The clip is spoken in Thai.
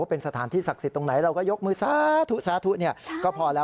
เป็นสถานที่ศักดิ์สิทธิ์ตรงไหนเราก็ยกมือสาธุสาธุก็พอแล้ว